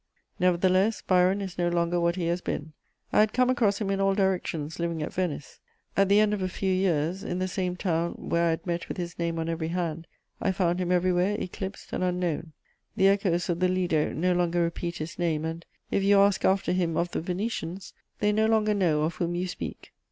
Nevertheless, Byron is no longer what he has been; I had come across him in all directions living at Venice: at the end of a few years, in the same town where I had met with his name on every hand, I found him everywhere eclipsed and unknown. The echoes of the Lido no longer repeat his name and, if you ask after him of the Venetians, they no longer know of whom you speak.